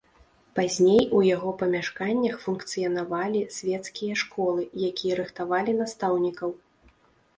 Пазней у яго памяшканнях функцыянавалі свецкія школы, якія рыхтавалі настаўнікаў.